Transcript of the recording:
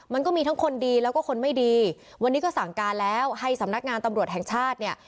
มันก็มีทั้งคนดีแล้วก็คนไม่ดีวันนี้ก็สั่งการแล้วให้สำนักงานตำรวจแห่งชาติเนี่ย